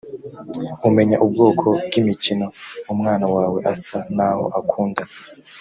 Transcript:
umenya ubwoko bw imikino umwana wawe asa n aho akunda